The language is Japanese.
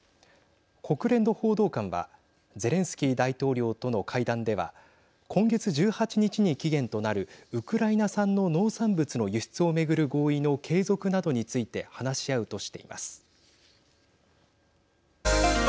国連の報道官はゼレンスキー大統領との会談では今月１８日に期限となるウクライナ産の農産物の輸出を巡る合意の継続などについて話し合うとしています。